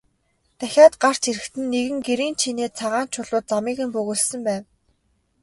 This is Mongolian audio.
Дахиад гарч ирэхэд нь нэгэн гэрийн чинээ цагаан чулуу замыг нь бөглөсөн байв.